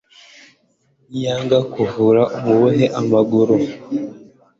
niyanga kumvira umubohe amaguru